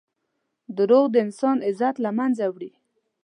دروغ د انسان عزت له منځه وړي.